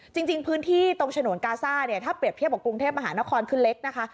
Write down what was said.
จริงพื้นที่ตรงฉนวนกาซ่าเนี่ยถ้าเปรียบเทียบกับกรุงเทพมหานครคือเล็กนะคะ